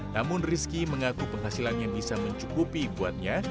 namun rizky mengaku penghasilan yang bisa mencukupi buatnya